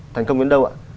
thành công đến đâu ạ